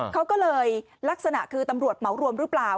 เขาก็เลยลักษณะคือตำรวจเหมารวมหรือเปล่า